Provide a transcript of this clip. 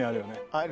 ある。